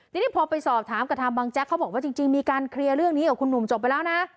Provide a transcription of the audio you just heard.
ทีนี้พอไปสอบถามกับทางบางแจ๊กเขาบอกว่าจริงมีการเคลียร์เรื่องนี้กับคุณหนุ่มจบไปแล้วนะ